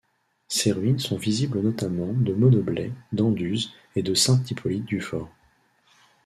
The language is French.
Ses ruines sont visibles notamment de Monoblet, d'Anduze et de Saint-Hippolyte du Fort.